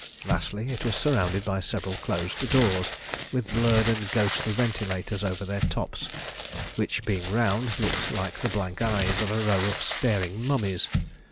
Lastly, it was surrounded by several closed doors with blurred and ghostly ventilators over their tops which, being round, looked like the blank eyes of a row of staring mummies.